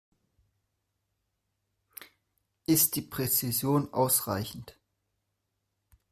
Ist die Präzision ausreichend?